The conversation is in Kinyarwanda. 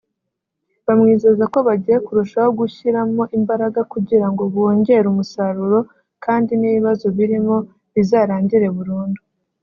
bamwizeza ko bagiye kurushaho gushyiramo imbaraga kugira ngo bongere umusaruro kandi n’ibibazo bikirimo bizarangire burundu